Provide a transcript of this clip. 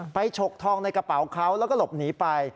ฉกทองในกระเป๋าเขาแล้วก็หลบหนีไป